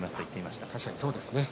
確かにそうですね。